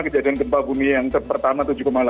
kejadian gempa bumi yang pertama tujuh delapan